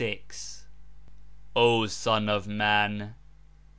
O Son of Man!